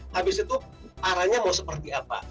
habis itu arahnya mau seperti apa